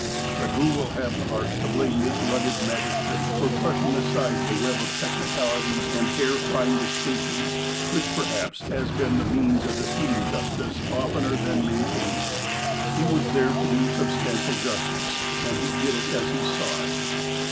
But who will have the heart to blame this rugged magistrate for brushing aside the web of technicalities and hair fine distinctions, which perhaps has been the means of defeating justice oftener than main taining it ? He was there to do substantial justice, and he did it as he saw it.